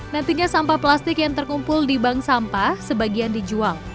nantinya sampah plastik yang terkumpul di bank sampah sebagian dijual